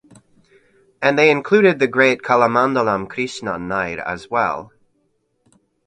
And they included the great Kalamandalam Krishnan Nair as well.